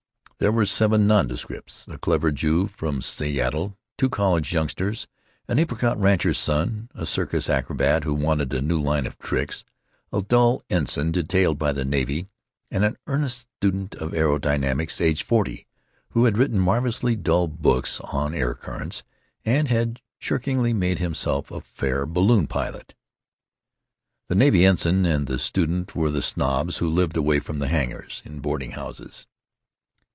There were seven nondescripts—a clever Jew from Seattle, two college youngsters, an apricot rancher's son, a circus acrobat who wanted a new line of tricks, a dull ensign detailed by the navy, and an earnest student of aerodynamics, aged forty, who had written marvelously dull books on air currents and had shrinkingly made himself a fair balloon pilot. The navy ensign and the student were the snobs who lived away from the hangars, in boarding houses.